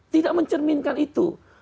tidak mencerminkan itu